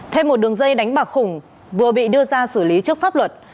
thêm một đường dây đánh bạc khủng vừa bị đưa ra xử lý trước pháp luật